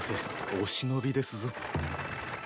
おしのびですぞ。